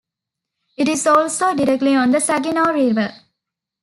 It is also directly on the Saginaw River.